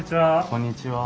こんにちは。